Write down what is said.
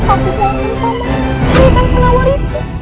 aku mohon kamu berikan penawar itu